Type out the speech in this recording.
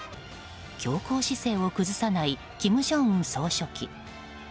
強硬姿勢を崩さない金正恩総書記。